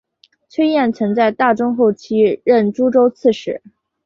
崔彦曾在大中后期任诸州刺史。